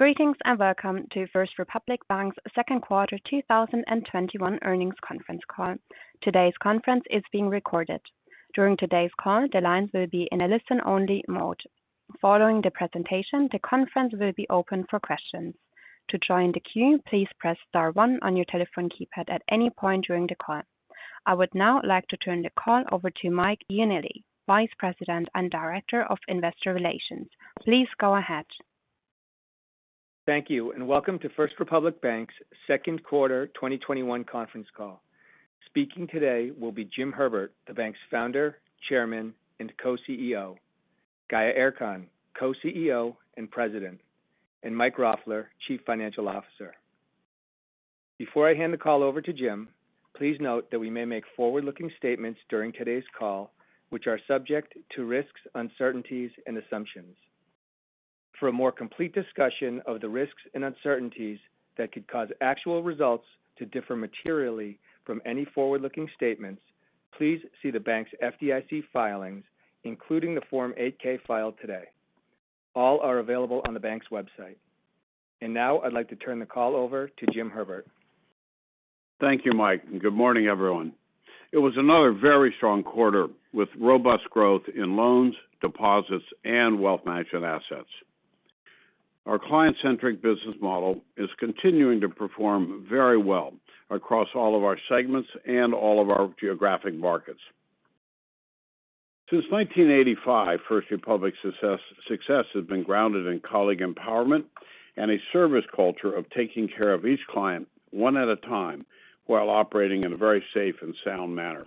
Greetings, and welcome to First Republic Bank's Q2 2021 earnings conference call. Today's conference is being recorded. During today's call, the lines will be in a listen-only mode. Following the presentation, the conference will be open for questions. To join the queue, please press star one on your telephone keypad at any point during the call. I would now like to turn the call over to Mike Ioanilli, Vice President and Director of Investor Relations. Please go ahead. Thank you, and welcome to First Republic Bank's Q2 2021 conference call. Speaking today will be Jim Herbert, the bank's founder, chairman, and co-CEO. Hafize Gaye Erkan, co-CEO and president. Mike Roffler, chief financial officer. Before I hand the call over to Jim, please note that we may make forward-looking statements during today's call, which are subject to risks, uncertainties, and assumptions. For a more complete discussion of the risks and uncertainties that could cause actual results to differ materially from any forward-looking statements, please see the bank's FDIC filings, including the Form 8-K filed today. All are available on the bank's website. Now I'd like to turn the call over to Jim Herbert. Thank you, Mike, and good morning, everyone. It was another very strong quarter with robust growth in loans, deposits, and wealth management assets. Our client-centric business model is continuing to perform very well across all of our segments and all of our geographic markets. Since 1985, First Republic's success has been grounded in colleague empowerment and a service culture of taking care of each client one at a time while operating in a very safe and sound manner.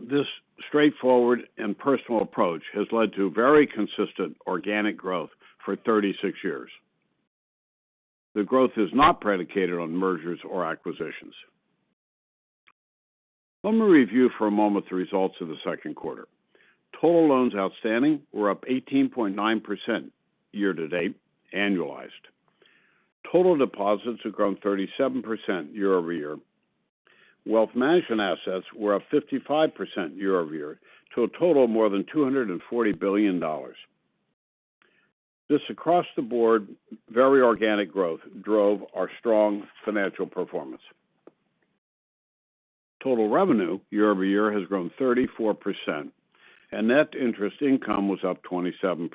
This straightforward and personal approach has led to very consistent organic growth for 36 years. The growth is not predicated on mergers or acquisitions. Let me review for a moment the results of the Q2. Total loans outstanding were up 18.9% year-to-date annualized. Total deposits have grown 37% year-over-year. Wealth management assets were up 55% year-over-year to a total of more than $240 billion. This across the board very organic growth drove our strong financial performance. Total revenue year-over-year has grown 34%, and net interest income was up 27%.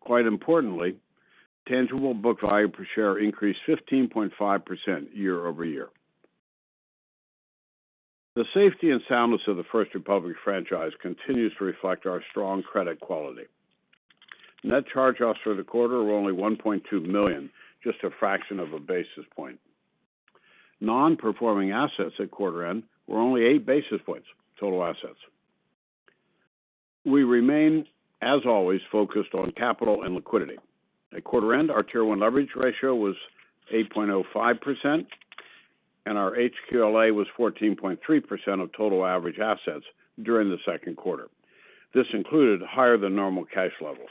Quite importantly, tangible book value per share increased 15.5% year-over-year. The safety and soundness of the First Republic franchise continues to reflect our strong credit quality. Net charge-offs for the quarter were only $1.2 million, just a fraction of a basis point. Non-performing assets at quarter end were only 8 basis points total assets. We remain, as always, focused on capital and liquidity. At quarter end, our Tier 1 leverage ratio was 8.05%, and our HQLA was 14.3% of total average assets during the Q2. This included higher than normal cash levels.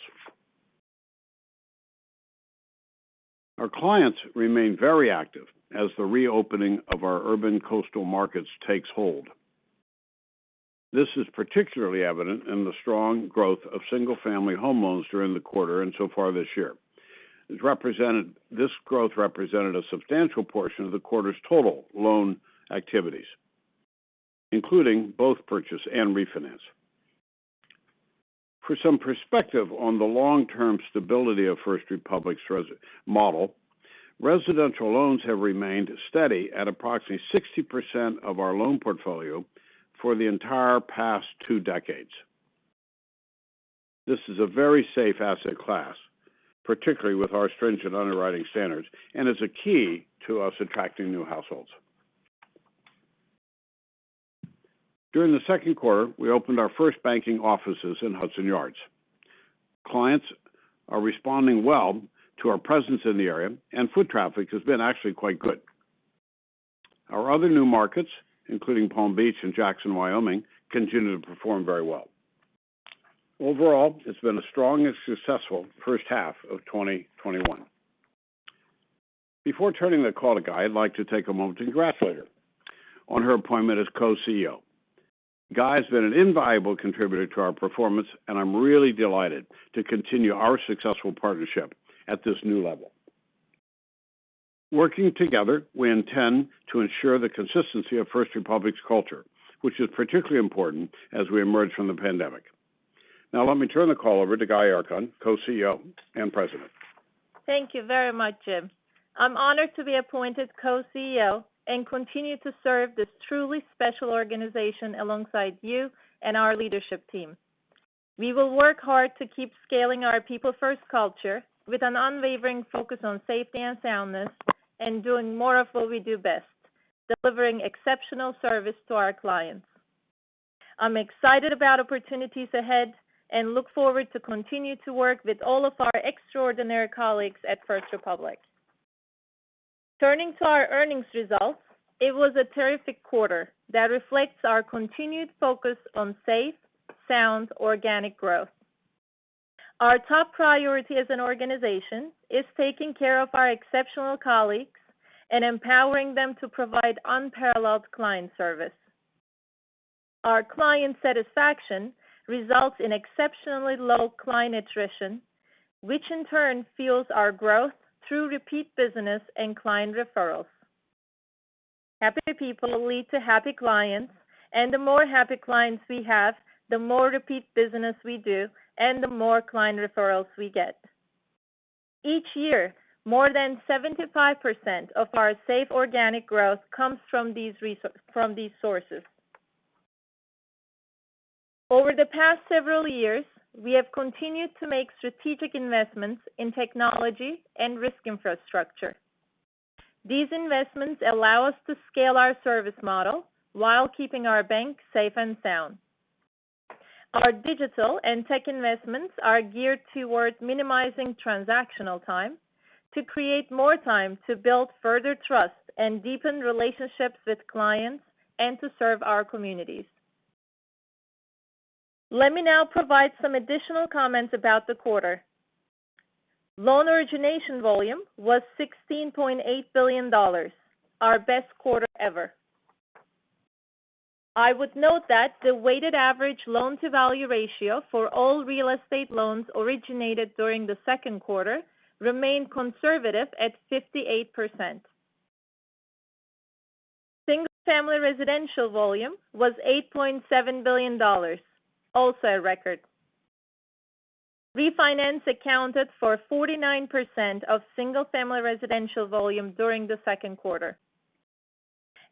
Our clients remain very active as the reopening of our urban coastal markets takes hold. This is particularly evident in the strong growth of single-family home loans during the quarter and so far this year. This growth represented a substantial portion of the quarter's total loan activities, including both purchase and refinance. For some perspective on the long-term stability of First Republic's model, residential loans have remained steady at approximately 60% of our loan portfolio for the entire past two decades. This is a very safe asset class, particularly with our stringent underwriting standards, and is a key to us attracting new households. During the Q2, we opened our first banking offices in Hudson Yards. Clients are responding well to our presence in the area, and foot traffic has been actually quite good. Our other new markets, including Palm Beach and Jackson, Wyoming, continue to perform very well. Overall, it's been a strong and successful first half of 2021. Before turning the call to Gaye, I'd like to take a moment to congratulate her on her appointment as Co-CEO. Gaye's been an invaluable contributor to our performance, and I'm really delighted to continue our successful partnership at this new level. Working together, we intend to ensure the consistency of First Republic's culture, which is particularly important as we emerge from the pandemic. Let me turn the call over to Hafize Gaye Erkan, Co-CEO and President. Thank you very much, Jim. I'm honored to be appointed Co-CEO and continue to serve this truly special organization alongside you and our leadership team. We will work hard to keep scaling our people-first culture with an unwavering focus on safety and soundness and doing more of what we do best, delivering exceptional service to our clients. I'm excited about opportunities ahead and look forward to continue to work with all of our extraordinary colleagues at First Republic. Turning to our earnings results, it was a terrific quarter that reflects our continued focus on safe, sound, organic growth. Our top priority as an organization is taking care of our exceptional colleagues and empowering them to provide unparalleled client service. Our client satisfaction results in exceptionally low client attrition, which in turn fuels our growth through repeat business and client referrals. Happy people lead to happy clients, the more happy clients we have, the more repeat business we do, and the more client referrals we get. Each year, more than 75% of our safe organic growth comes from these sources. Over the past several years, we have continued to make strategic investments in technology and risk infrastructure. These investments allow us to scale our service model while keeping our bank safe and sound. Our digital and tech investments are geared towards minimizing transactional time to create more time to build further trust and deepen relationships with clients and to serve our communities. Let me now provide some additional comments about the quarter. Loan origination volume was $16.8 billion, our best quarter ever. I would note that the weighted average loan-to-value ratio for all real estate loans originated during the Q2 remained conservative at 58%. Single-family residential volume was $8.7 billion, also a record. Refinance accounted for 49% of single-family residential volume during the Q2.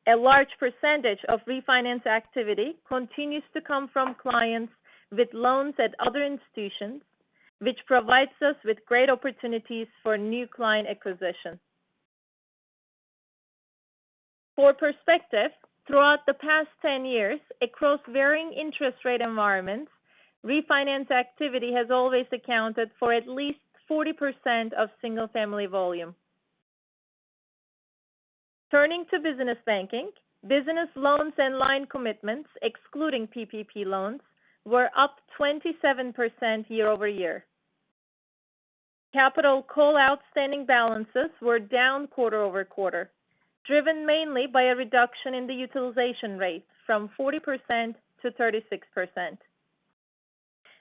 A large percentage of refinance activity continues to come from clients with loans at other institutions, which provides us with great opportunities for new client acquisition. For perspective, throughout the past 10 years across varying interest rate environments, refinance activity has always accounted for at least 40% of single-family volume. Turning to business banking, business loans and line commitments, excluding PPP loans, were up 27% year-over-year. Capital call outstanding balances were down quarter-over-quarter, driven mainly by a reduction in the utilization rate from 40%-36%.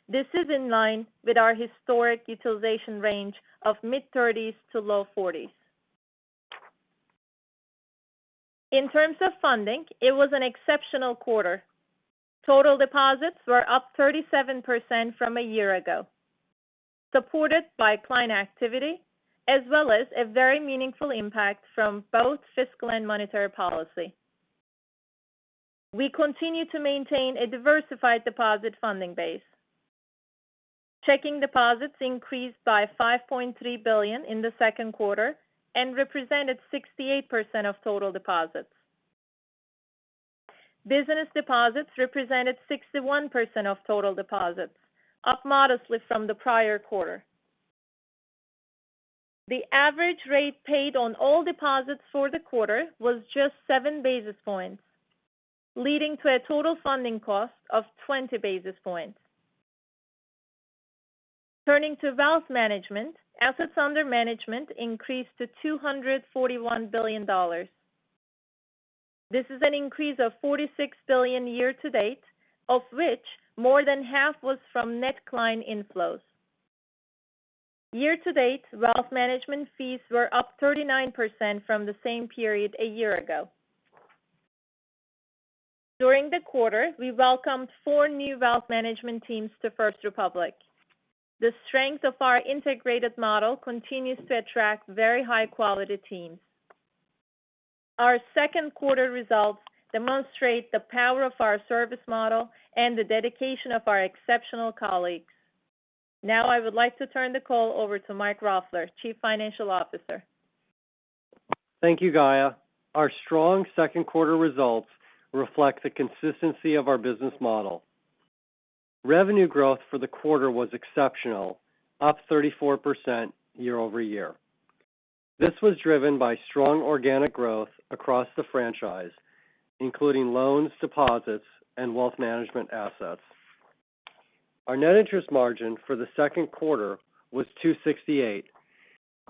This is in line with our historic utilization range of mid-30s to low 40s. In terms of funding, it was an exceptional quarter. Total deposits were up 37% from a year ago, supported by client activity as well as a very meaningful impact from both fiscal and monetary policy. We continue to maintain a diversified deposit funding base. Checking deposits increased by $5.3 billion in the Q2 and represented 68% of total deposits. Business deposits represented 61% of total deposits, up modestly from the prior quarter. The average rate paid on all deposits for the quarter was just 7 basis points, leading to a total funding cost of 20 basis points. Turning to wealth management, assets under management increased to $241 billion. This is an an increase of $46 billion year to date, of which more than half was from net client inflows. Year to date, wealth management fees were up 39% from the same period a year ago. During the quarter, we welcomed four new wealth management teams to First Republic. The strength of our integrated model continues to attract very high-quality teams. Our Q2 results demonstrate the power of our service model and the dedication of our exceptional colleagues. Now I would like to turn the call over to Mike Roffler, Chief Financial Officer. Thank you, Hafize Gaye Erkan. Our strong Q2 results reflect the consistency of our business model. Revenue growth for the quarter was exceptional, up 34% year-over-year. This was driven by strong organic growth across the franchise, including loans, deposits, and wealth management assets. Our net interest margin for the Q2 was 268.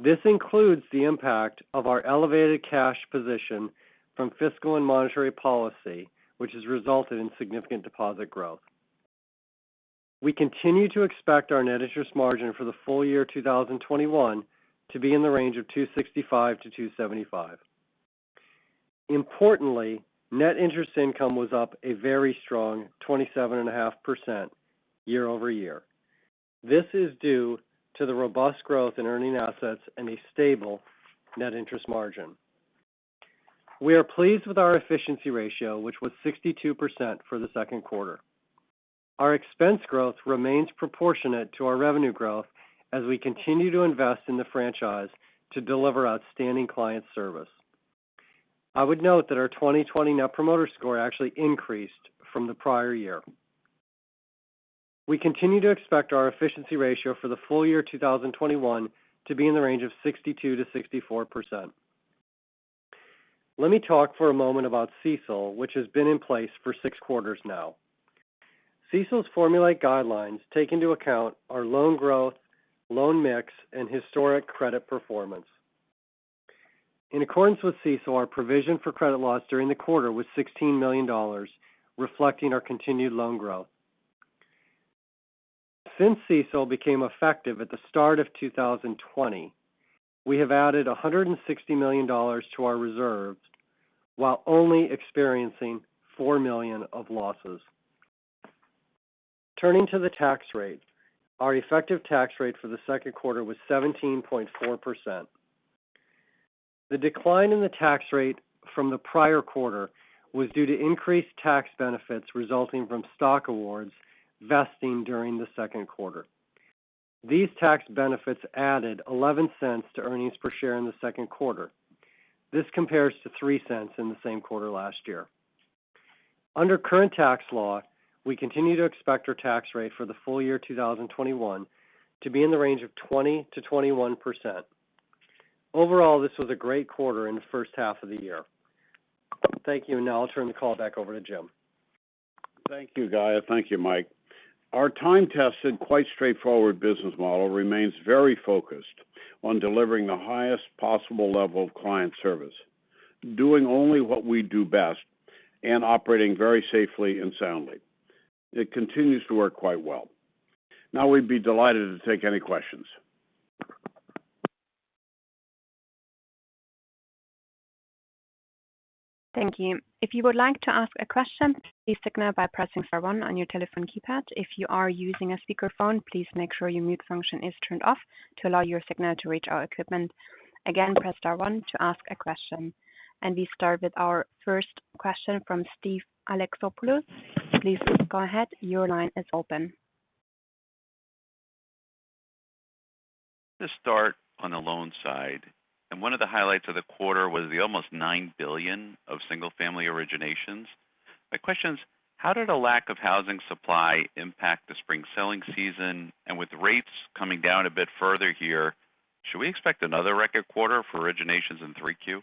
This includes the impact of our elevated cash position from fiscal and monetary policy, which has resulted in significant deposit growth. We continue to expect our net interest margin for the full year 2021 to be in the range of 265 to 275. Importantly, net interest income was up a very strong 27.5% year-over-year. This is due to the robust growth in earning assets and a stable net interest margin. We are pleased with our efficiency ratio, which was 62% for the Q2. Our expense growth remains proportionate to our revenue growth as we continue to invest in the franchise to deliver outstanding client service. I would note that our 2020 net promoter score actually increased from the prior year. We continue to expect our efficiency ratio for the full year 2021 to be in the range of 62%-64%. Let me talk for a moment about CECL, which has been in place for six quarters now. CECL's formulate guidelines take into account our loan growth, loan mix, and historic credit performance. In accordance with CECL, our provision for credit loss during the quarter was $16 million, reflecting our continued loan growth. Since CECL became effective at the start of 2020, we have added $160 million to our reserves while only experiencing $4 million of losses. Turning to the tax rate, our effective tax rate for the Q2 was 17.4%. The decline in the tax rate from the prior quarter was due to increased tax benefits resulting from stock awards vesting during the Q2. These tax benefits added $0.11 to earnings per share in the Q2. This compares to $0.03 in the same quarter last year. Under current tax law, we continue to expect our tax rate for the full year 2021 to be in the range of 20%-21%. Overall, this was a great quarter in the first half of the year. Thank you. Now I'll turn the call back over to Jim. Thank you, Hafize Gaye Erkan. Thank you, Mike Ioanilli. Our time-tested, quite straightforward business model remains very focused on delivering the highest possible level of client service, doing only what we do best, and operating very safely and soundly. It continues to work quite well. We'd be delighted to take any questions. Thank you. If you would like to ask a question, please signal by pressing star one on your telephone keypad. If you are using a speakerphone, please make sure your mute function is turned off to allow your signal to reach our equipment. Again, press star one to ask a question. We start with our first question from Steve Alexopoulos. Please go ahead. Your line is open. To start on the loans side, one of the highlights of the quarter was the almost $9 billion of single-family originations. My question is, how did a lack of housing supply impact the spring selling season? With rates coming down a bit further here, should we expect another record quarter for originations in 3Q?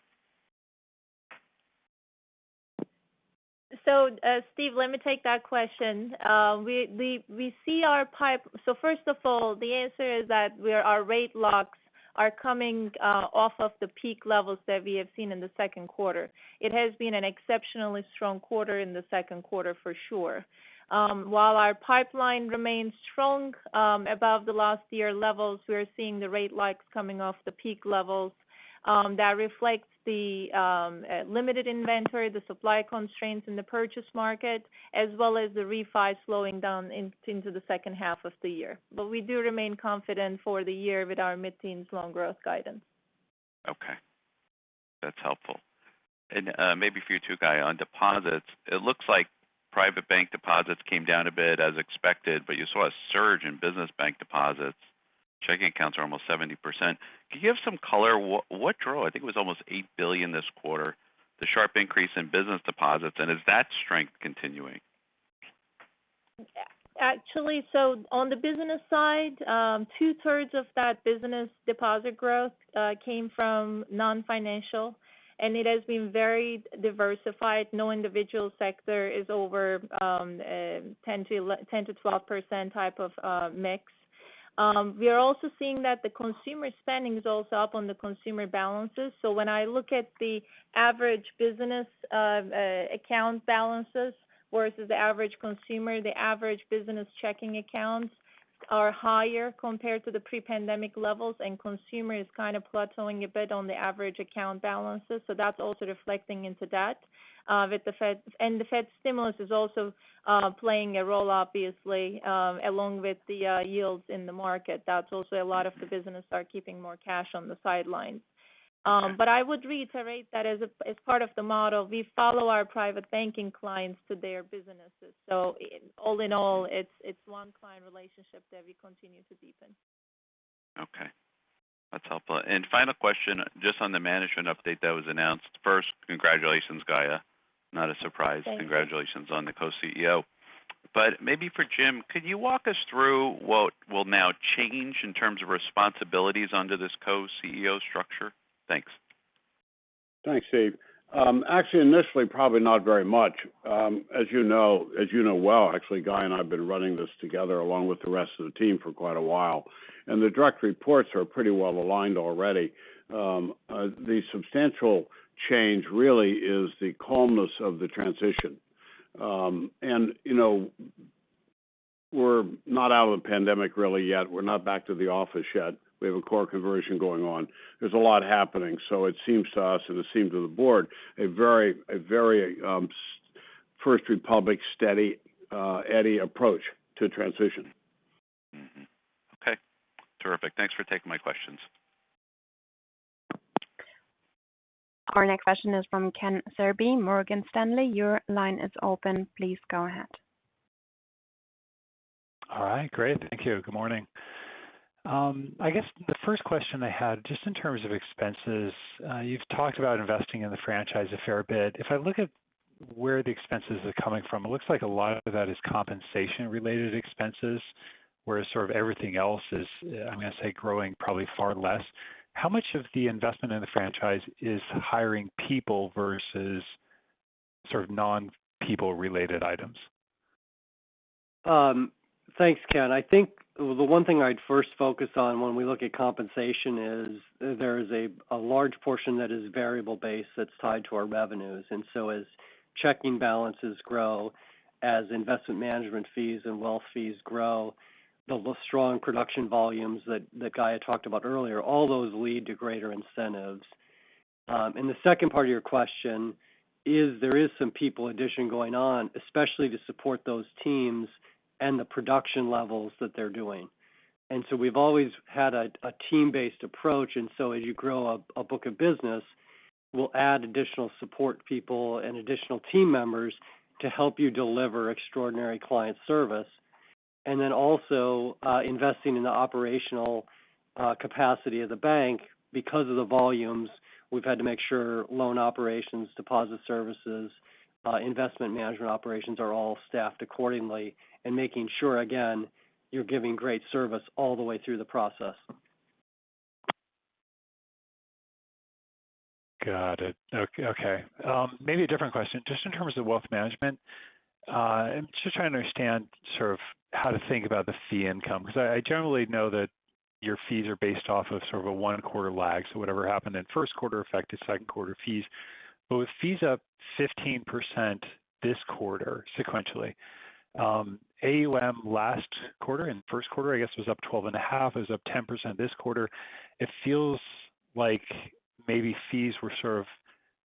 Steve, let me take that question. First of all, the answer is that our rate locks are coming off of the peak levels that we have seen in the Q2. It has been an exceptionally strong quarter in the Q2 for sure. While our pipeline remains strong above the last year levels, we are seeing the rate locks coming off the peak levels. That reflects the limited inventory, the supply constraints in the purchase market, as well as the refi slowing down into the second half of the year. We do remain confident for the year with our mid-teens loan growth guidance. Okay. That's helpful. Maybe for you too, Gaye, on deposits, it looks like private bank deposits came down a bit as expected, but you saw a surge in business bank deposits. Checking accounts are almost 70%. Can you give some color? What drove, I think it was almost $8 billion this quarter, the sharp increase in business deposits, and is that strength continuing? Actually, on the business side, two-thirds of that business deposit growth came from non-financial, and it has been very diversified. No individual sector is over 10%-12% type of mix. We are also seeing that the consumer spending is also up on the consumer balances. When I look at the average business account balances versus average consumer, the average business checking accounts are higher compared to the pre-pandemic levels. Consumer is kind of plateauing a bit on the average account balances. That's also reflecting into that. The Fed stimulus is also playing a role, obviously, along with the yields in the market. That's also a lot of the business are keeping more cash on the sidelines. I would reiterate that as part of the model, we follow our private banking clients to their businesses. All in all, it's one client relationship that we continue to deepen. Okay. That's helpful. Final question, just on the management update that was announced. First, congratulations, Gaye, not a surprise. Thanks. Congratulations on the co-CEO. Maybe for Jim, could you walk us through what will now change in terms of responsibilities under this co-CEO structure? Thanks. Thanks, Steve. Actually initially, probably not very much. As you know well, actually, Gaye and I have been running this together along with the rest of the team for quite a while. The direct reports are pretty well aligned already. The substantial change really is the calmness of the transition. We're not out of the pandemic really yet. We're not back to the office yet. We have a core conversion going on. There's a lot happening. It seems to us, and it seems to the board, a very First Republic steady Eddie approach to transition. Mm-hmm. Okay. Terrific. Thanks for taking my questions. Our next question is from Ken Zerbe, Morgan Stanley. Your line is open. Please go ahead. All right. Great. Thank you. Good morning. I guess the first question I had, just in terms of expenses, you've talked about investing in the franchise a fair bit. If I look at where the expenses are coming from, it looks like a lot of that is compensation-related expenses, whereas sort of everything else is, I'm going to say growing probably far less. How much of the investment in the franchise is hiring people versus sort of non-people related items? Thanks, Ken. I think the one thing I'd first focus on when we look at compensation is there is a large portion that is variable based that's tied to our revenues. As checking balances grow, as investment management fees and wealth fees grow, the strong production volumes that Gaye talked about earlier, all those lead to greater incentives. The second part of your question is there is some people addition going on, especially to support those teams and the production levels that they're doing. We've always had a team-based approach, and so as you grow a book of business, we'll add additional support people and additional team members to help you deliver extraordinary client service. Also investing in the operational capacity of the bank because of the volumes, we've had to make sure loan operations, deposit services, investment management operations are all staffed accordingly. Making sure, again, you're giving great service all the way through the process. Got it. Okay. Maybe a different question, just in terms of wealth management, just trying to understand how to think about the fee income. I generally know that your fees are based off of 1 quarter lags. Whatever happened in Q1 affect the Q2 fees. With fees up 15% this quarter sequentially, AUM last quarter and Q1, I guess, was up 12.5%, is up 10% this quarter. It feels like maybe fees were sort of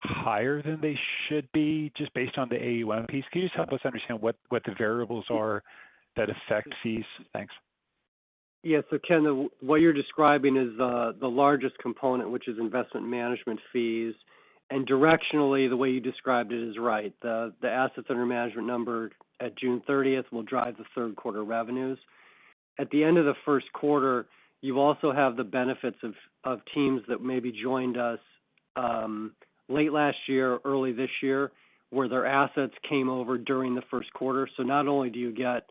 higher than they should be just based on the AUM fees. Can you just help us understand what the variables are that affect fees? Thanks. Ken, what you're describing is the largest component, which is investment management fees. Directionally, the way you described it is right. The assets under management number at June 30th will drive the third quarter revenues. At the end of the Q1, you also have the benefits of teams that maybe joined us late last year or early this year, where their assets came over during the Q1. Not only do you get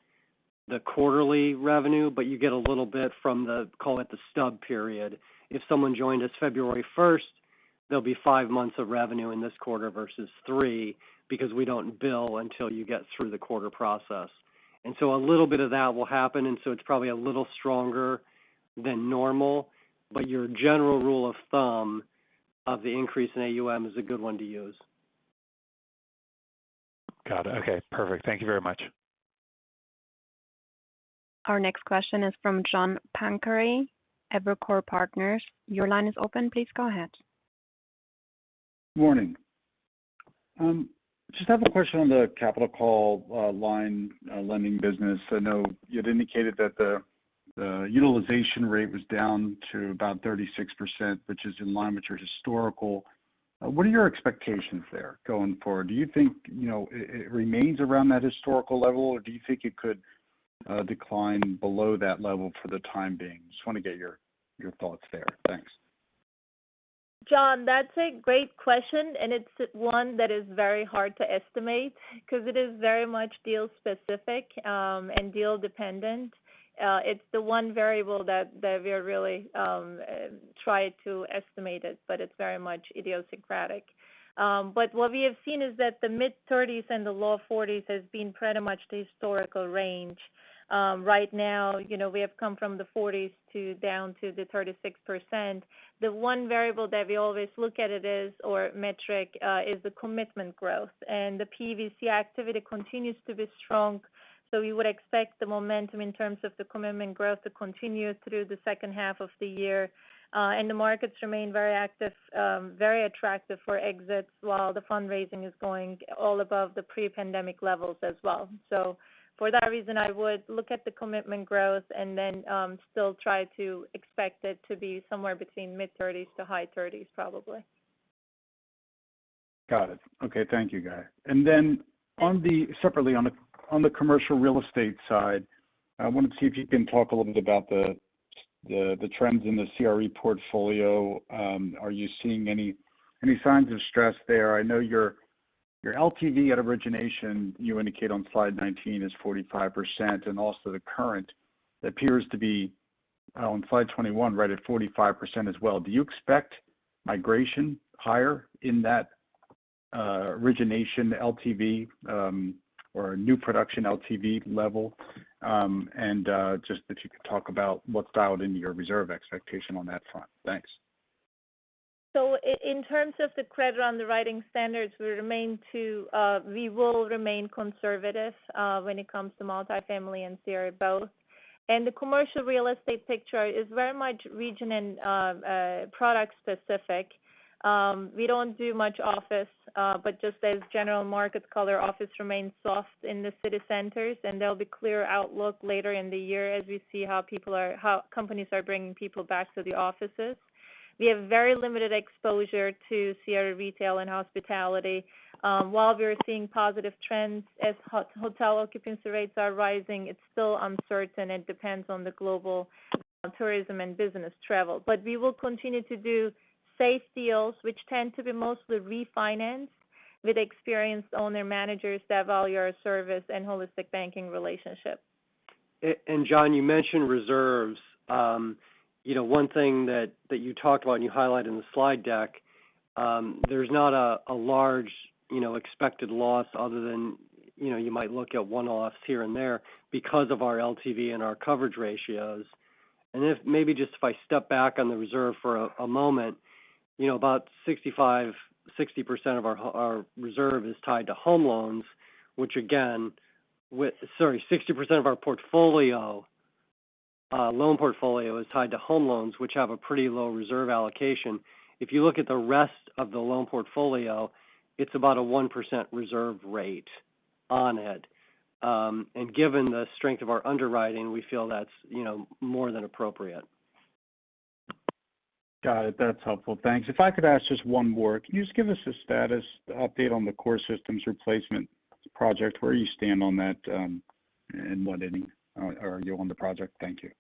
the quarterly revenue, but you get a little bit from the, call it the stub period. If someone joined us February 1st, there'll be 5 months of revenue in this quarter versus 3 because we don't bill until you get through the quarter process. A little bit of that will happen, and so it's probably a little stronger than normal. Your general rule of thumb of the increase in AUM is a good one to use. Got it. Okay, perfect. Thank you very much. Our next question is from John Pancari, Evercore ISI. Your line is open. Please go ahead. Morning. Just have a question on the capital call line lending business. I know you had indicated that the utilization rate was down to about 36%, which is in line with your historical. What are your expectations there going forward? Do you think it remains around that historical level, or do you think it could decline below that level for the time being? Just want to get your thoughts there. Thanks. John, that's a great question, and it's one that is very hard to estimate because it is very much deal specific and deal dependent. It's the one variable that we really try to estimate it, but it's very much idiosyncratic. What we have seen is that the mid-30s and the low 40s has been pretty much the historical range. Right now, we have come from the 40s down to the 36%. The one variable that we always look at it is or metric is the commitment growth. The PE/VC activity continues to be strong, so we would expect the momentum in terms of the commitment growth to continue through the second half of the year. The markets remain very attractive for exits while the fundraising is going all above the pre-pandemic levels as well. For that reason, I would look at the commitment growth and then still try to expect it to be somewhere between mid-30s to high 30s probably. Got it. Okay. Thank you, Gaye. Then separately on the commercial real estate side, I wanted to see if you can talk a little bit about the trends in the CRE portfolio. Are you seeing any signs of stress there? I know your LTV at origination you indicate on slide 19 is 45% and also the current appears to be on slide 21 right at 45% as well. Do you expect migration higher in that origination LTV or new production LTV level? Just if you could talk about what factored in your reserve expectation on that front. Thanks. In terms of the credit underwriting standards, we will remain conservative when it comes to multifamily and CRE both. The commercial real estate picture is very much region and product specific. We don't do much office, but just as general markets color office remains soft in the city centers, and there'll be clear outlook later in the year as we see how companies are bringing people back to the offices. We have very limited exposure to CRE retail and hospitality. While we are seeing positive trends as hotel occupancy rates are rising, it's still uncertain and depends on the global tourism and business travel. We will continue to do safe deals which tend to be mostly refinance with experienced owner managers that value our service and holistic banking relationship. John, you mentioned reserves. One thing that you talked about and you highlighted in the slide deck there's not a large expected loss other than you might look at 1 loss here and there because of our LTV and our coverage ratios. If I step back on the reserve for a moment, about 65%, 60% of our reserve is tied to home loans. Sorry, 60% of our loan portfolio is tied to home loans, which have a pretty low reserve allocation. If you look at the rest of the loan portfolio, it's about a 1% reserve rate on it. Given the strength of our underwriting, we feel that's more than appropriate. Got it. That's helpful. Thanks. If I could ask just one more. Can you just give us a status update on the core systems replacement project, where you stand on that and what any are you on the project? Thank you.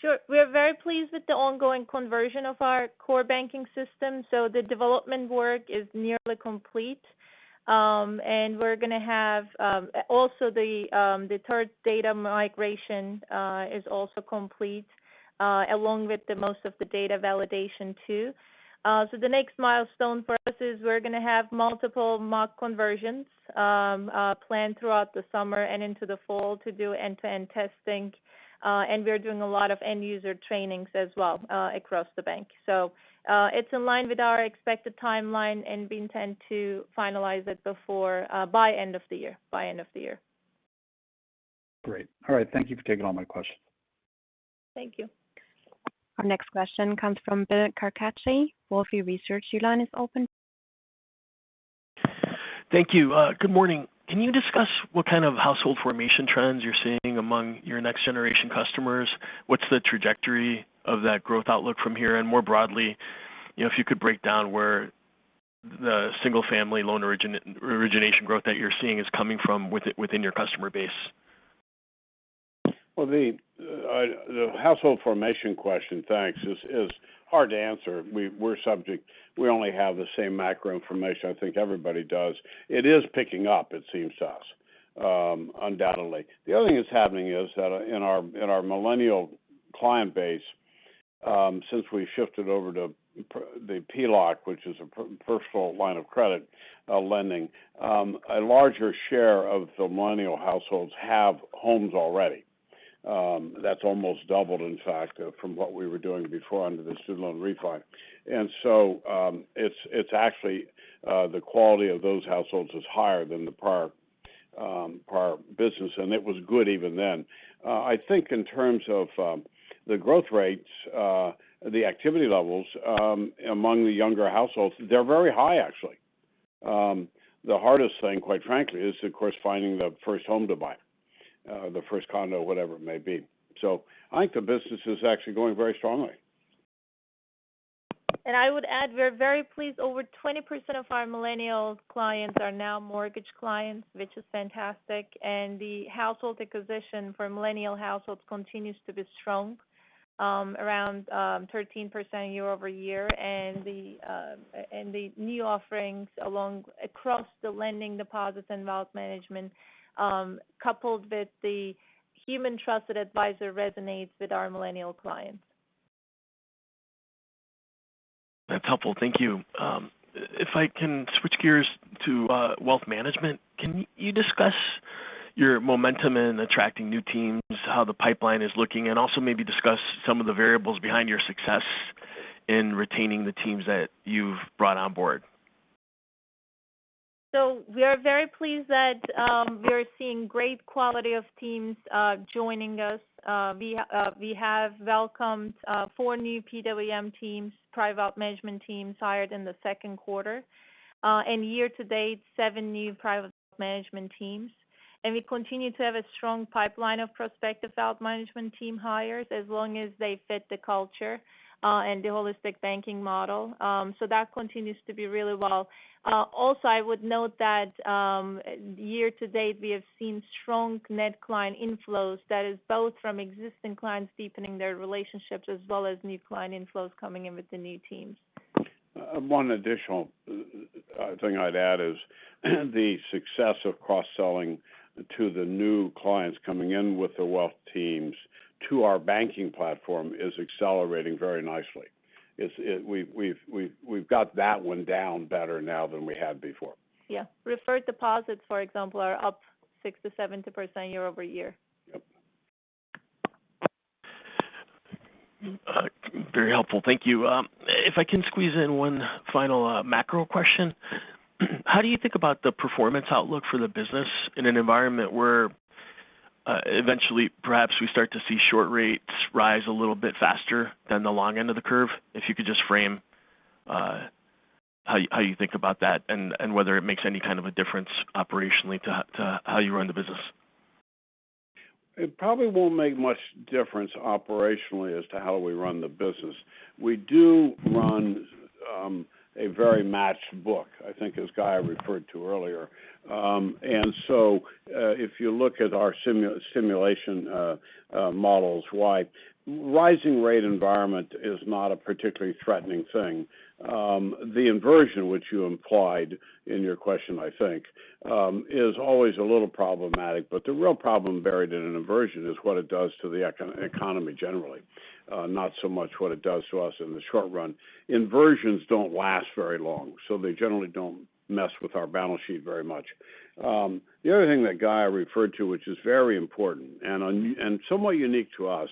Sure. We are very pleased with the ongoing conversion of our core banking system. The development work is nearly complete. Also the third data migration is also complete along with the most of the data validation too. The next milestone for us is we're going to have multiple mock conversions planned throughout the summer and into the fall to do end-to-end testing. We are doing a lot of end user trainings as well across the bank. It's in line with our expected timeline and we intend to finalize it by end of the year. Great. All right. Thank you for taking all my questions. Thank you. Our next question comes from Bennett Carcachi, Wolfe Research. Your line is open. Thank you. Good morning. Can you discuss what kind of household formation trends you're seeing among your next generation customers? What's the trajectory of that growth outlook from here? More broadly if you could break down where the single family loan origination growth that you're seeing is coming from within your customer base. The household formation question, thanks, is hard to answer. We only have the same macro information I think everybody does. It is picking up, it seems to us undoubtedly. The other thing that's happening is that in our millennial client base since we shifted over to the PLOC, which is a personal line of credit lending a larger share of millennial households have homes already. That's almost doubled, in fact, from what we were doing before under the student loan refi. It's actually the quality of those households is higher than the prior business, and it was good even then. I think in terms of the growth rates the activity levels among the younger households, they're very high, actually. The hardest thing, quite frankly, is of course, finding the first home to buy the first condo, whatever it may be. I think the business is actually going very strongly. I would add, we are very pleased. Over 20% of our millennial clients are now mortgage clients, which is fantastic. The household acquisition for millennial households continues to be strong around 13% year-over-year. The new offerings across the lending deposits and wealth management coupled with the human trusted advisor resonates with our millennial clients. That's helpful. Thank you. If I can switch gears to wealth management, can you discuss your momentum in attracting new teams, how the pipeline is looking, and also maybe discuss some of the variables behind your success in retaining the teams that you've brought on board? We are very pleased that we are seeing great quality of teams joining us. We have welcomed four new PWM teams, private wealth management teams hired in the Q2 and year to date seven new private wealth management teams. We continue to have a strong pipeline of prospective wealth management team hires as long as they fit the culture and the holistic banking model. That continues to be really well. Also, I would note that year to date we have seen strong net client inflows that is both from existing clients deepening their relationships as well as new client inflows coming in with the new teams. One additional thing I'd add is the success of cross-selling to the new clients coming in with the wealth teams to our banking platform is accelerating very nicely. We've got that one down better now than we had before. Yeah. Referred deposits, for example, are up 6%-7% year-over-year. Very helpful. Thank you. If I can squeeze in one final macro question. How do you think about the performance outlook for the business in an environment where eventually perhaps we start to see short rates rise a little bit faster than the long end of the curve? If you could just frame how you think about that and whether it makes any kind of a difference operationally to how you run the business. It probably won't make much difference operationally as to how we run the business. We do run a very matched book, I think as Gaye referred to earlier. If you look at our simulation models, rising rate environment is not a particularly threatening thing. The inversion which you implied in your question I think is always a little problematic, but the real problem buried in an inversion is what it does to the economy generally, not so much what it does to us in the short run. Inversions don't last very long, so they generally don't mess with our balance sheet very much. The other thing that Gaye referred to which is very important and somewhat unique to us,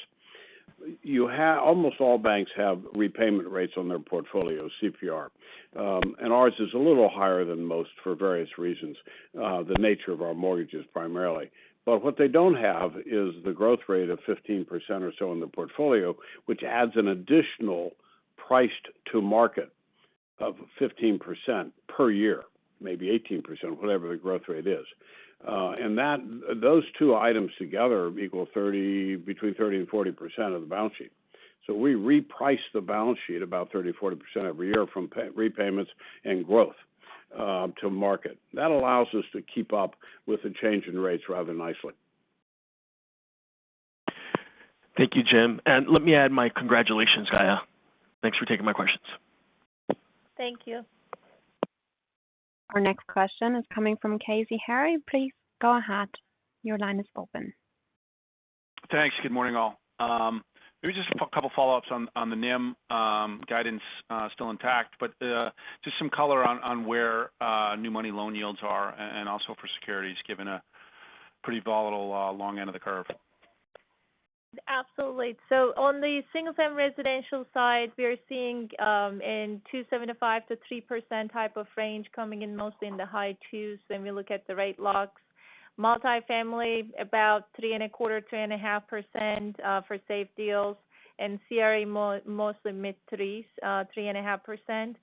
almost all banks have repayment rates on their portfolio CPR. Ours is a little higher than most for various reasons, the nature of our mortgages primarily. What they don't have is the growth rate of 15% or so in the portfolio, which adds an additional priced to market of 15% per year, maybe 18%, whatever the growth rate is. Those two items together equal between 30% and 40% of the balance sheet. We reprice the balance sheet about 30%, 40% every year from repayments and growth to market. That allows us to keep up with the change in rates rather nicely. Thank you, Jim, and let me add my congratulations, Gaye. Thanks for taking my questions. Thank you. Our next question is coming from Casey Haire. Please go ahead. Your line is open. Thanks. Good morning all. Maybe just 2 follow-ups on the NIM guidance still intact, but just some color on where new money loan yields are and also for securities given a pretty volatile long end of the curve. Absolutely. On the single-family residential side we are seeing in 2.75%-3% type of range coming in mostly in the high 2s when we look at the rate locks. Multifamily about 3.25%-3.5% for safe deals and CRE mostly mid 3s, 3.5%.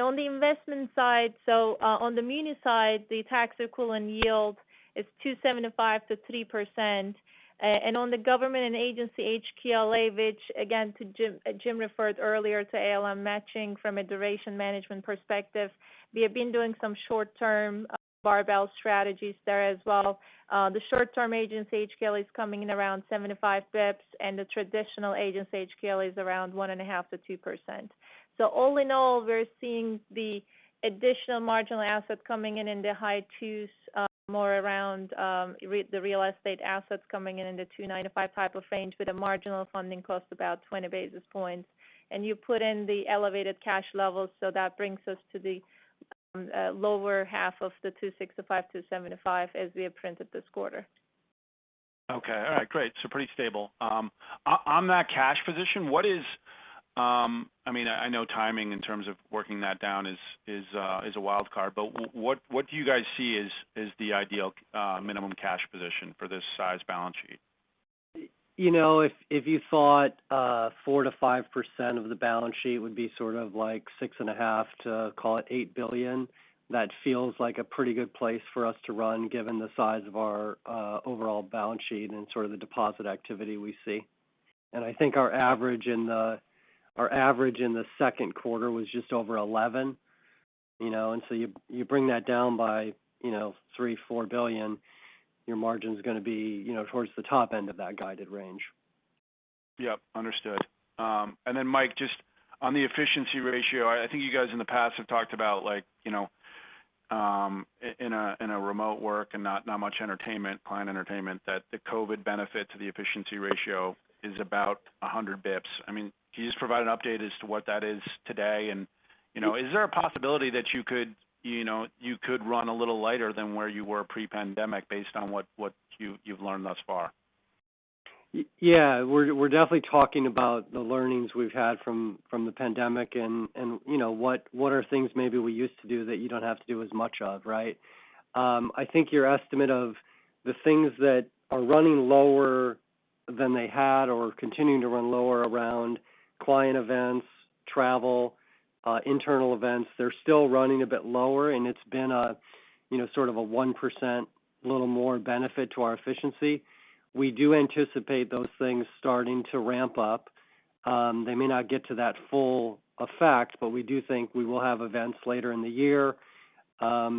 On the investment side, so on the muni side the tax equivalent yield is 2.75%-3%. On the government and agency HQLA which again Jim referred earlier to ALM matching from a duration management perspective, we have been doing some short-term barbell strategies there as well. The short-term agency HQLA is coming in around 7-5 basis points and the traditional agency HQLA is around 1.5%-2%. All in all we're seeing the additional marginal asset coming in in the high 2s more around the real estate assets coming in in the 295 type of range with a marginal funding cost about 20 basis points. You put in the elevated cash levels, that brings us to the lower half of the 265-275 as we have printed this quarter. Okay. All right, great. Pretty stable. On that cash position, I know timing in terms of working that down is a wild card, but what do you guys see as the ideal minimum cash position for this size balance sheet? If you thought 4%-5% of the balance sheet would be sort of like $6.5 billion-$8 billion, that feels like a pretty good place for us to run given the size of our overall balance sheet and sort of the deposit activity we see. I think our average in the Q2 was just over 11. You bring that down by $3 billion-$4 billion, your margin's going to be towards the top end of that guided range. Yep, understood. Mike, just on the efficiency ratio, I think you guys in the past have talked about in a remote work and not much client entertainment that the COVID benefit to the efficiency ratio is about 100 basis points. Can you just provide an update as to what that is today and is there a possibility that you could run a little lighter than where you were pre-pandemic based on what you've learned thus far? Yeah. We're definitely talking about the learnings we've had from the pandemic and what are things maybe we used to do that you don't have to do as much of, right? I think your estimate of the things that are running lower than they had or continuing to run lower around client events, travel, internal events, they're still running a bit lower and it's been a sort of a 1% little more benefit to our efficiency. We do anticipate those things starting to ramp up. They may not get to that full effect, but we do think we will have events later in the year.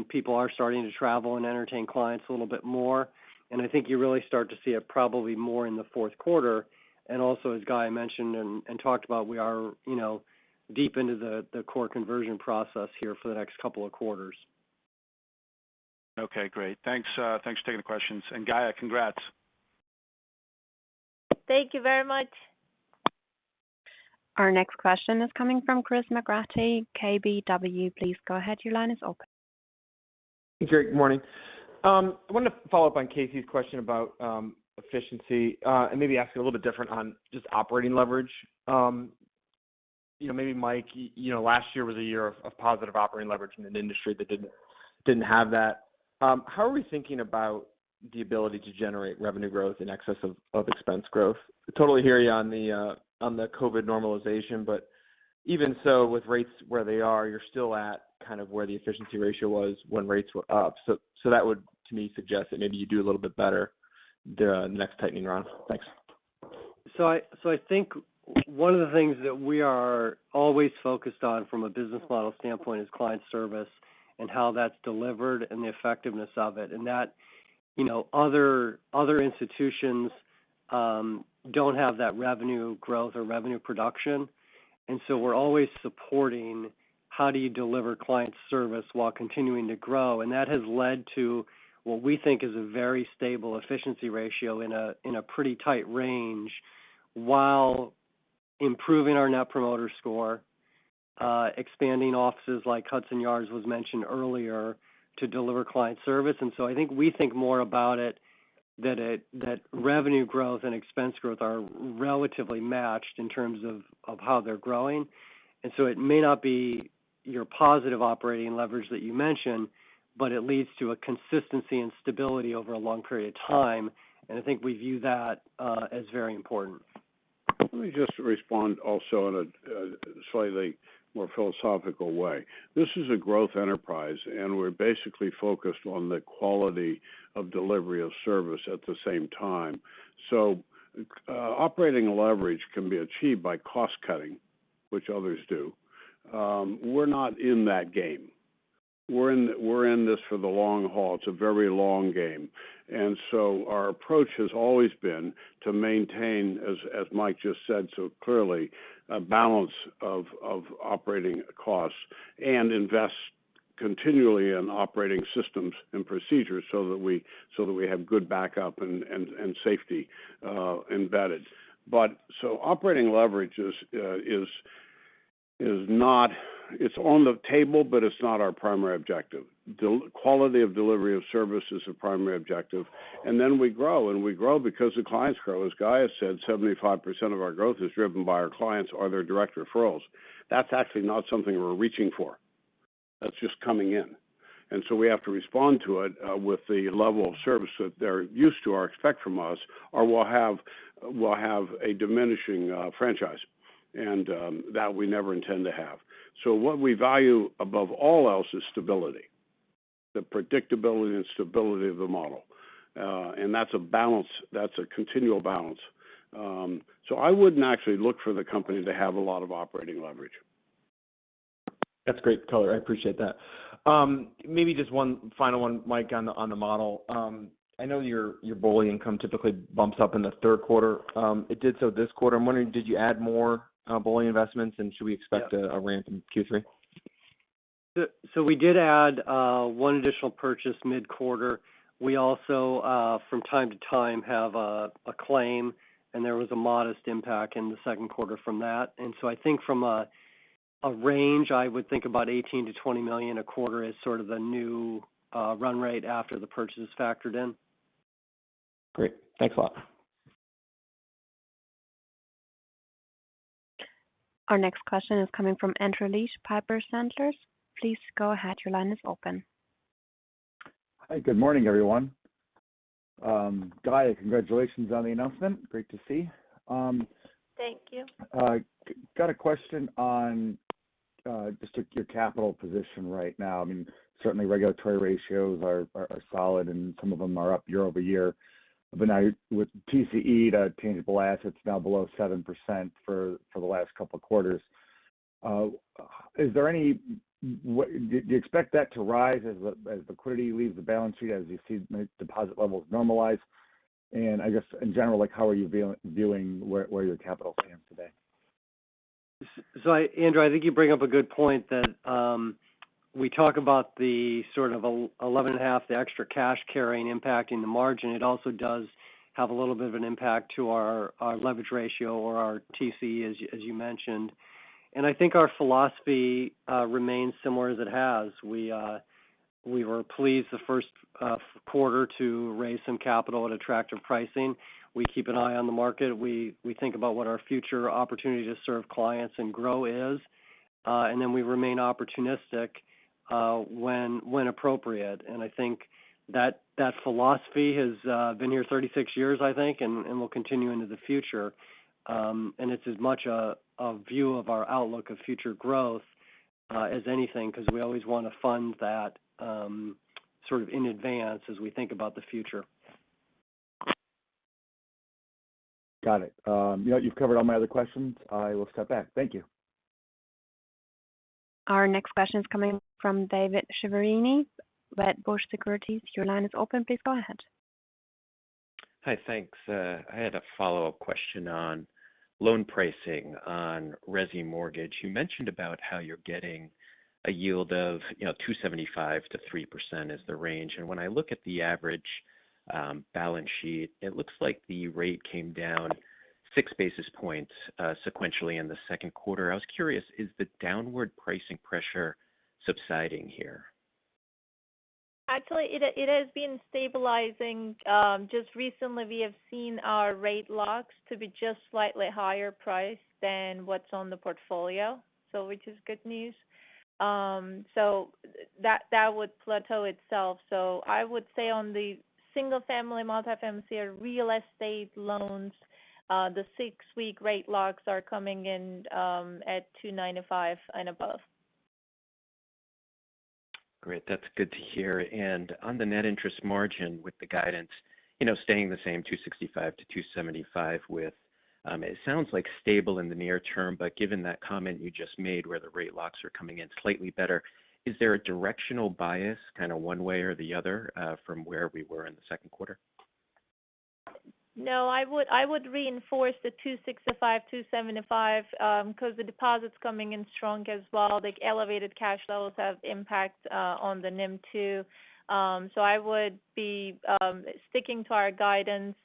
People are starting to travel and entertain clients a little bit more. I think you really start to see it probably more in the fourth quarter. Also as Gaye mentioned and talked about, we are deep into the core conversion process here for the next couple of quarters. Okay, great. Thanks for taking the questions. Hafize Gaye Erkan, congrats. Thank you very much. Our next question is coming from Chris McGratty, KBW. Please go ahead. Your line is open. Great morning. I want to follow up on Casey's question about efficiency and maybe ask a little bit different on just operating leverage. Maybe Mike, last year was a year of positive operating leverage in an industry that didn't have that. How are we thinking about the ability to generate revenue growth in excess of expense growth? Totally hear you on the COVID normalization, but even so with rates where they are, you're still at kind of where the efficiency ratio was when rates were up. That would to me suggest that maybe you do a little bit better the next tightening round. Thanks. I think one of the things that we are always focused on from a business model standpoint is client service and how that's delivered and the effectiveness of it. That other institutions don't have that revenue growth or revenue production. We're always supporting how do you deliver client service while continuing to grow. That has led to what we think is a very stable efficiency ratio in a pretty tight range while improving our net promoter score, expanding offices like Hudson Yards was mentioned earlier to deliver client service. I think we think more about it that revenue growth and expense growth are relatively matched in terms of how they're growing. It may not be your positive operating leverage that you mentioned, but it leads to a consistency and stability over a long period of time. I think we view that as very important. Let me just respond also in a slightly more philosophical way. This is a growth enterprise, and we're basically focused on the quality of delivery of service at the same time. Operating leverage can be achieved by cost cutting, which others do. We're not in that game. We're in this for the long haul. It's a very long game. Our approach has always been to maintain, as Mike just said so clearly, a balance of operating costs and invest continually in operating systems and procedures so that we have good backup and safety embedded. Operating leverage is on the table but it's not our primary objective. The quality of delivery of service is the primary objective. We grow, and we grow because the clients grow. As Gaye said, 75% of our growth is driven by our clients or their direct referrals. That's actually not something we're reaching for. That's just coming in. We have to respond to it with the level of service that they're used to or expect from us, or we'll have a diminishing franchise, and that we never intend to have. What we value above all else is stability, the predictability and stability of the model. That's a continual balance. I wouldn't actually look for the company to have a lot of operating leverage. That's great color. I appreciate that. Maybe just one final one, Mike, on the model. I know your BOLI income typically bumps up in the third quarter. It did so this quarter. I'm wondering, did you add more BOLI investments, and should we expect a ramp in Q3? We did add one additional purchase mid-quarter. We also from time to time have a claim, and there was a modest impact in the Q2 from that. I think from a range, I would think about $18 million-$20 million a quarter is sort of the new run rate after the purchase is factored in. Great. Thanks a lot. Our next question is coming from Andrew Liesch, Piper Sandler. Please go ahead. Your line is open. Hi. Good morning, everyone. Gaye, congratulations on the announcement. Great to see. Thank you. Got a question on just your capital position right now. Certainly regulatory ratios are solid and some of them are up year-over-year. With TCE to tangible assets now below 7% for the last couple of quarters, do you expect that to rise as liquidity leaves the balance sheet, as you see deposit levels normalize? I guess in general, how are you viewing where your capital stands today? Andrew, I think you bring up a good point that we talk about the sort of 11.5, the extra cash carrying impact in the margin. It also does have a little bit of an impact to our leverage ratio or our TCE, as you mentioned. I think our philosophy remains similar as it has. We were pleased the Q1 to raise some capital at attractive pricing. We keep an eye on the market. We think about what our future opportunity to serve clients and grow is. Then we remain opportunistic when appropriate. I think that philosophy has been here 36 years, I think, and will continue into the future. It's as much a view of our outlook of future growth as anything because we always want to fund that sort of in advance as we think about the future. Got it. You've covered all my other questions. I will step back. Thank you. Our next question is coming from David Chiaverini, Wedbush Securities. Your line is open. Please go ahead. Hi. Thanks. I had a follow-up question on loan pricing on resi mortgage. You mentioned about how you're getting a yield of 2.75%-3% is the range. When I look at the average balance sheet, it looks like the rate came down six basis points sequentially in the Q2. I was curious, is the downward pricing pressure subsiding here? Actually, it has been stabilizing. Just recently we have seen our rate locks to be just slightly higher priced than what's on the portfolio. Which is good news. That would plateau itself. I would say on the single-family, multifamily or real estate loans the six-week rate locks are coming in at 295 and above. Great. That's good to hear. On the net interest margin with the guidance staying the same, 2.65%-2.75% with, it sounds like stable in the near term, given that comment you just made where the rate locks are coming in slightly better, is there a directional bias one way or the other from where we were in the Q2? I would reinforce the 265, 275 because the deposit's coming in strong as well. The elevated cash flows have impact on the NIM too. I would be sticking to our guidance,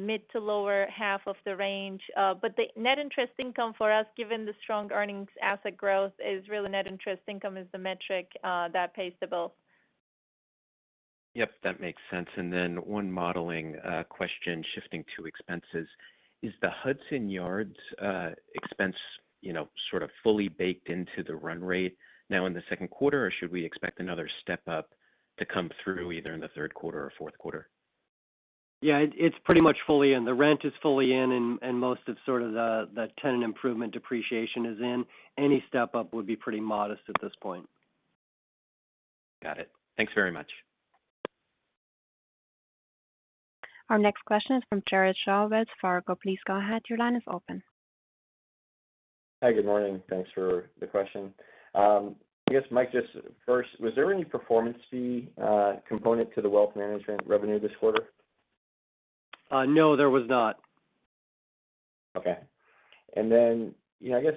mid to lower half of the range. The net interest income for us, given the strong earnings asset growth is really net interest income is the metric that pays the bills. Yep, that makes sense. One modeling question, shifting to expenses. Is the Hudson Yards expense sort of fully baked into the run rate now in the Q2? Or should we expect another step-up to come through either in the third quarter or fourth quarter? Yeah, it's pretty much fully in. The rent is fully in and most of the tenant improvement depreciation is in. Any step-up would be pretty modest at this point. Got it. Thanks very much. Our next question is from Jared Shaw, Wells Fargo. Hi, good morning. Thanks for the question. I guess, Mike, just first, was there any performance fee component to the wealth management revenue this quarter? No, there was not. Okay. I guess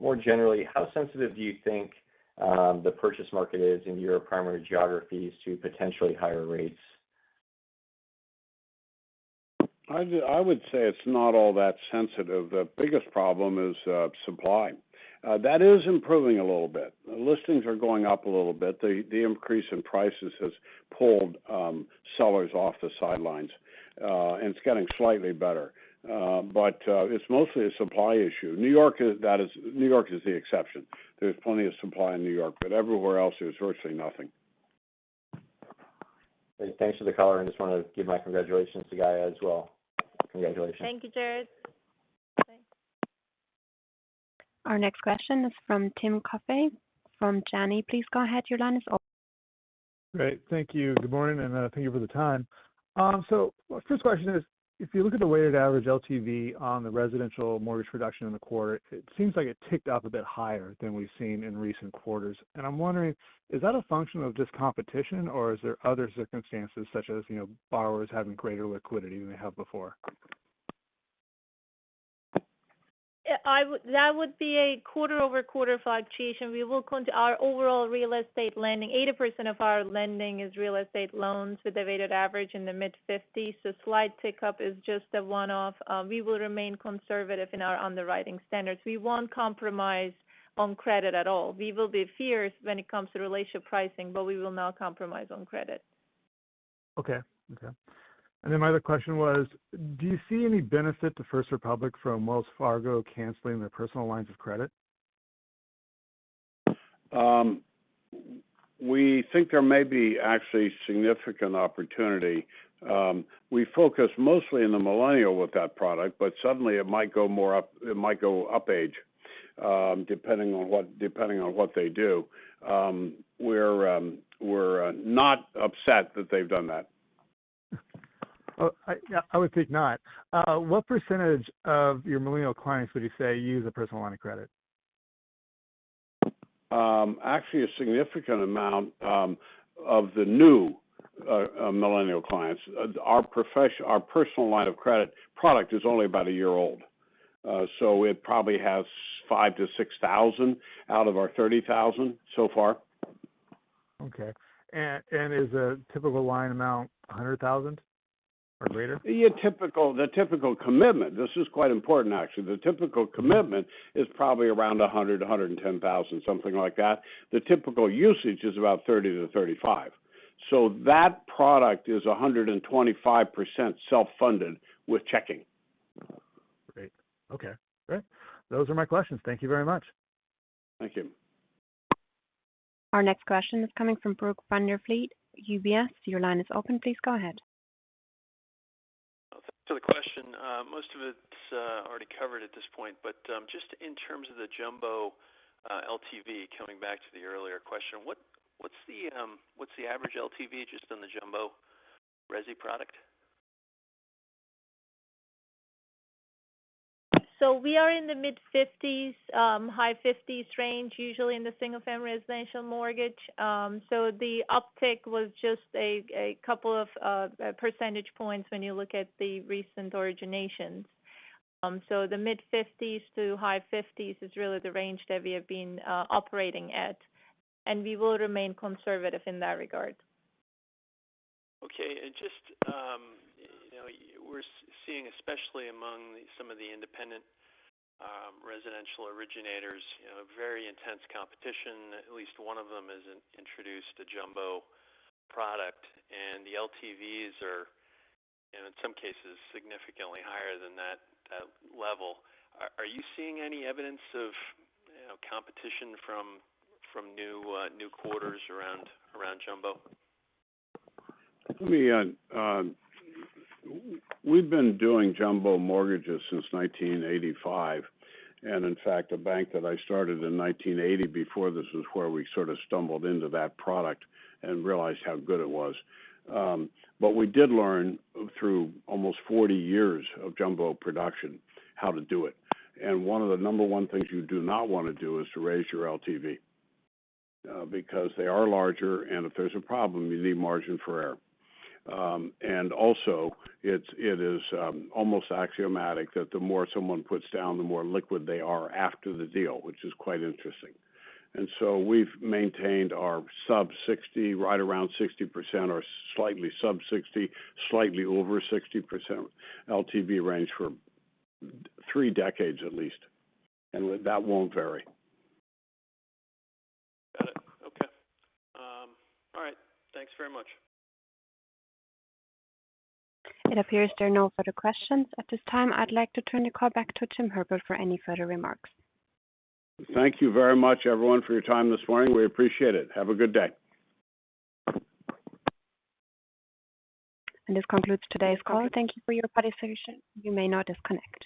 more generally, how sensitive do you think the purchase market is in your primary geographies to potentially higher rates? I would say it's not all that sensitive. The biggest problem is supply. That is improving a little bit. Listings are going up a little bit. The increase in prices has pulled sellers off the sidelines. It's getting slightly better. It's mostly a supply issue. New York is the exception. There's plenty of supply in New York, but everywhere else there's virtually nothing. Thanks for the color, and just want to give my congratulations to Gaye as well. Congratulations. Thank you, Jared Shaw. Our next question is from Tim Coffey from Janney. Please go ahead. Your line is open. Great, thank you. Good morning, and thank you for the time. First question is, if you look at the weighted average LTV on the residential mortgage production in the quarter, it seems like it ticked up a bit higher than we've seen in recent quarters. I'm wondering, is that a function of just competition or are there other circumstances such as borrowers having greater liquidity than they have before? That would be a quarter-over-quarter fluctuation. Our overall real estate lending, 80% of our lending is real estate loans with a weighted average in the mid-50s. The slight tick up is just a one-off. We will remain conservative in our underwriting standards. We won't compromise on credit at all. We will be fierce when it comes to relationship pricing, but we will not compromise on credit. Okay. My other question was, do you see any benefit to First Republic from Wells Fargo canceling their personal lines of credit? We think there may be actually significant opportunity. We focus mostly in the millennial with that product, but suddenly it might go up age depending on what they do. We're not upset that they've done that. I would think not. What percentage of your millennial clients would you say use a personal line of credit? Actually, a significant amount of the new millennial clients. Our personal line of credit product is only about a year old. It probably has 5,000 to 6,000 out of our 30,000 so far. Okay. Is a typical line amount $100,000 or greater? The typical commitment, this is quite important actually. The typical commitment is probably around $100,000, $110,000, something like that. The typical usage is about $30,000-$35,000. That product is 125% self-funded with checking. Great. Okay. Those are my questions. Thank you very much. Thank you. Our next question is coming from Brock Vandervliet, UBS. Your line is open. Please go ahead. Thanks for the question. Most of it's already covered at this point, but just in terms of the jumbo LTV, coming back to the earlier question, what's the average LTV just in the jumbo resi product? We are in the mid-50s, high-50s range, usually in the single-family residential mortgage. The uptick was just a couple of percentage points when you look at the recent originations. The mid-50s to high-50s is really the range that we have been operating at. We will remain conservative in that regard. Okay. We're seeing, especially among some of the independent residential originators, very intense competition. At least one of them has introduced a jumbo product. The LTVs are in some cases significantly higher than that level. Are you seeing any evidence of competition from new quarters around jumbo? Let me add. We've been doing jumbo mortgages since 1985. In fact, the bank that I started in 1980 before this was where we sort of stumbled into that product and realized how good it was. We did learn through almost 40 years of jumbo production how to do it. One of the number one things you do not want to do is to raise your LTV because they are larger, and if there's a problem, you need margin for error. Also it is almost axiomatic that the more someone puts down, the more liquid they are after the deal, which is quite interesting. We've maintained our sub 60, right around 60% or slightly sub 60, slightly over 60% LTV range for 3 decades at least. That won't vary. Got it. Okay. All right. Thanks very much. It appears there are no further questions. At this time, I'd like to turn the call back to Jim Herbert for any further remarks. Thank you very much, everyone, for your time this morning. We appreciate it. Have a good day. This concludes today's call. Thank you for your participation. You may now disconnect.